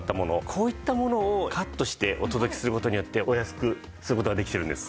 こういったものをカットしてお届けする事によってお安くする事ができているんです。